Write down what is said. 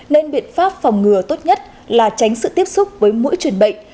nên biện pháp phòng ngừa tốt nhất là tránh sự tiếp xúc với mỗi truyền bệnh